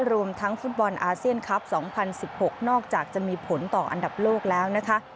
รวมทั้งฟุตบอลอาเซียนคลับ๒๐๑๖นอกจากจะมีผลต่ออันดับโลกแล้วนะคะ